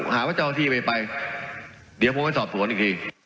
บอกว่าไอ้บ่อนเนี้ยมันมีจริง